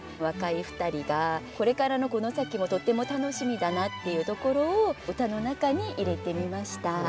若い２人がこれからのこの先もとっても楽しみだなっていうところを歌の中に入れてみました。